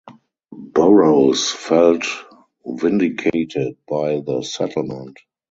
Burroughs felt vindicated by the settlement.